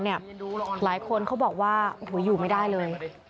หลายคนเขาบอกว่าอยู่ไม่ได้เลย